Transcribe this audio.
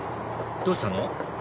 どうしたの？